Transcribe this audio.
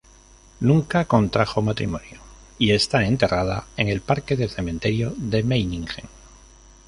Nunca contrajo matrimonio, y está enterrada en el parque del cementerio de Meiningen.